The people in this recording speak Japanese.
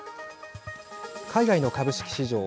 海外の株式市場